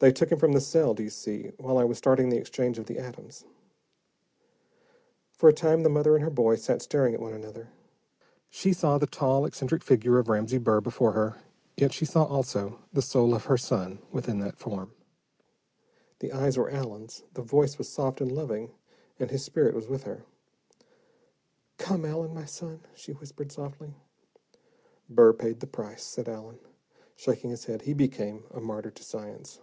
They took him from the cell, do you see, while I was starting the exchange of the atoms." For a time, the mother and her boy sat staring at one another. She saw the tall, eccentric figure of Ramsey Burr before her, yet she saw also the soul of her son within that form. The eyes were Allen's, the voice was soft and loving, and his spirit was with her. "Come, Allen, my son," she said softly. "Burr paid the price," said Allen, shaking his head. "He became a martyr to science."